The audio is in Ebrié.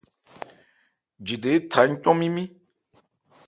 Jidan étha ńcɔn mímí.